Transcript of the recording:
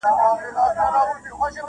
• تاندي لښتي وې ولاړي شنه واښه وه -